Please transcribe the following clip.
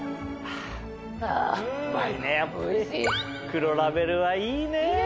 黒ラベルはいいね！ね！